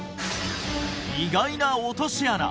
意外な落とし穴！